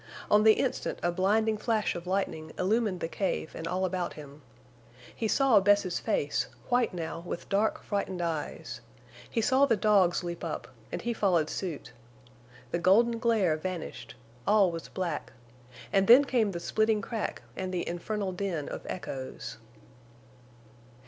On the instant a blinding flash of lightning illumined the cave and all about him. He saw Bess's face white now with dark, frightened eyes. He saw the dogs leap up, and he followed suit. The golden glare vanished; all was black; then came the splitting crack and the infernal din of echoes.